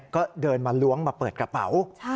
ก็เดินมาล้วงมาเปิดกระเป๋า